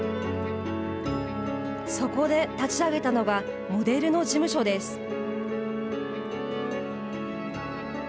そこで立ち上げたのがモデルの事務所です。